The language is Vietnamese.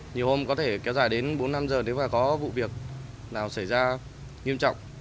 nhiều hôm có thể kéo dài đến bốn năm giờ nếu mà có vụ việc nào xảy ra nghiêm trọng